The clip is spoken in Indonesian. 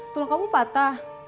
tulang kamu patah